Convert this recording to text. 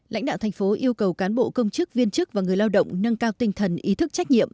lãnh đạo thành phố yêu cầu cán bộ công chức viên chức và người lao động nâng cao tinh thần ý thức trách nhiệm